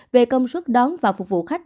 về công suất đón và phục vụ khách